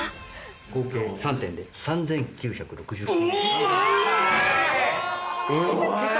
合計３点で３９６０万円。